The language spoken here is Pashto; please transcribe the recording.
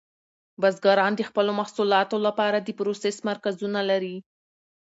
بزګران د خپلو محصولاتو لپاره د پروسس مرکزونه لري.